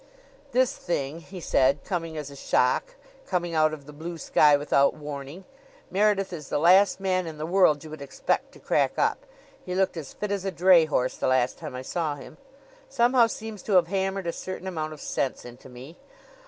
"This thing," he said, "coming as a shock, coming out of the blue sky without warning Meredith is the last man in the world you would expect to crack up; he looked as fit as a dray horse the last time I saw him somehow seems to have hammered a certain amount of sense into me.